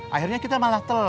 akhirnya kita malah telat